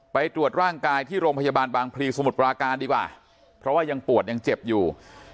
ไปตรวจร่างกายที่โรงพยาบาลบางพลีสมุทรปราการดีกว่าเพราะว่ายังปวดยังเจ็บอยู่